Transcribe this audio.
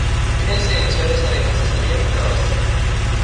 Crece en suelos arenosos abiertos.